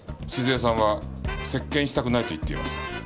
静江さんは接見したくないと言っています。